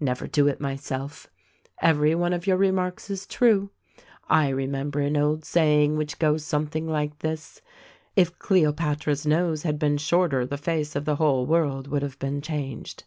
Never do it, myself ! Every one of your remarks is true. I remem ber an old saying which goes something like this : Tf Cleo patra's nose had been shorter the face of the whole world would have been changed.'